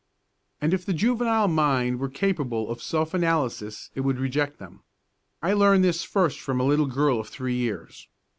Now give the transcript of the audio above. And if the juvenile mind were capable of self analysis it would reject them. I learned this first from a little girl of three years.